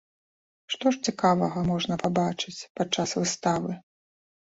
Што ж цікавага можна пабачыць падчас выставы.